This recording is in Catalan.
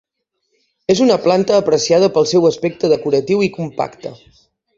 És una planta apreciada pel seu aspecte decoratiu i compacte.